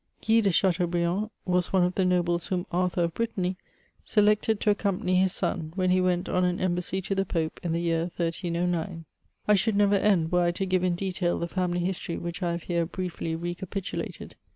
Guy de Chateaubriand was one of the nobles whom Arthur of Brittany selected to accompany his son, when he went on an embassy to the Pope, in the year 1309. I should never end were I to give in detail the family history which I have here briefly recapitulated.